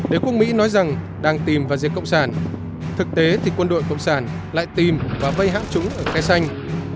đế quốc mỹ nói rằng đang tìm và giết cộng sản thực tế thì quân đội cộng sản lại tìm và vây hãm chúng ở khai xanh